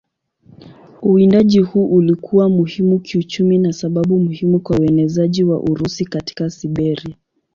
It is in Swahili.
Uwindaji huu ulikuwa muhimu kiuchumi na sababu muhimu kwa uenezaji wa Urusi katika Siberia.